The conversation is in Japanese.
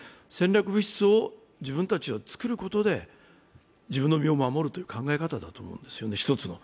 つまり戦略物質を自分たちは作ることで自分の身を守るという一つの考え方だと思うんですね。